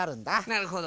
なるほど。